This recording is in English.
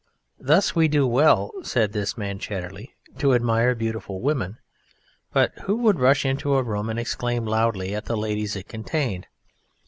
Thus we do well (said this man Chatterley) to admire beautiful women, but who would rush into a room and exclaim loudly at the ladies it contained?